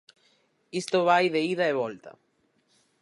Isto vai de ida e volta.